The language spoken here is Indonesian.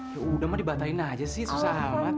ya udah mah dibantahin aja sih susah amat